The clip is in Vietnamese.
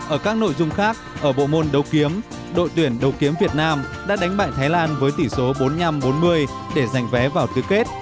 ở các nội dung khác ở bộ môn đấu kiếm đội tuyển đầu kiếm việt nam đã đánh bại thái lan với tỷ số bốn mươi năm bốn mươi để giành vé vào tứ kết